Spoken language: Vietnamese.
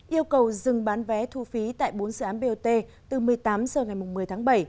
yêu cầu dừng bán vé thu phí tại bốn dự án bot từ một mươi tám h ngày một mươi tháng bảy